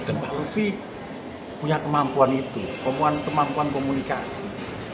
dan pak lutfi punya kemampuan itu kemampuan komunikasi